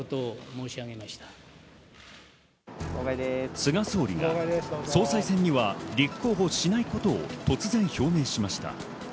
菅総理が総裁選には立候補しないことを突然表明しました。